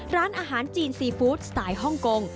ร้านอาหารจีนซีฟู้ดสไตล์ฮ่องกง